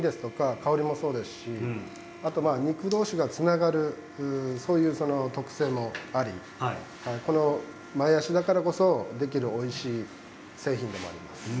香りもそうですしあとは肉同士がつながるそういう特性もあって前足だからこそおいしい製品になります。